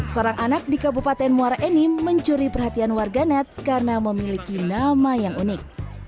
seorang anak di kabupaten muara enim mencuri perhatian warganet karena memiliki nama yang unik